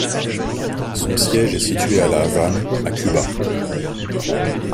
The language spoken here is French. Son siège est situé à La Havane, à Cuba.